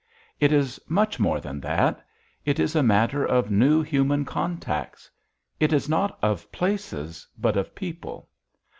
_ _It is much more than that. It is a matter of new human contacts. It is not of places, but of people.